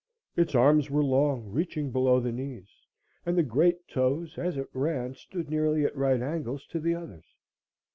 Its arms were long, reaching below the knees, and the great toes, as it ran, stood nearly at right angles to the others.